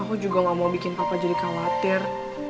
aku juga gak mau bikin papa jadi khawatir